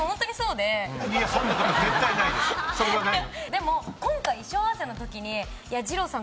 でも今回衣装合わせのときに二朗さん。